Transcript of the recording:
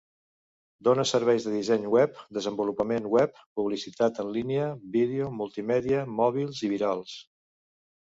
Dóna serveis de disseny web, desenvolupament web, publicitat en línia, vídeo, multimèdia, mòbils i virals.